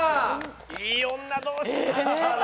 いい女同士だ。